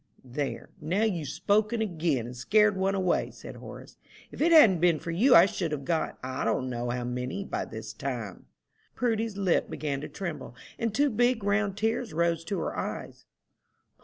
"There, now you've spoke again, and scared one away," said Horace. "If it hadn't been for you I should have got, I don't know how many, by this time." Prudy's lip began to tremble, and two big round tears rose to her eyes.